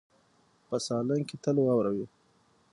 په سالنګ کې تل واوره وي.